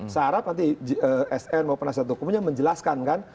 seharap nanti sn maupun nasihat hukumnya menjelaskan kan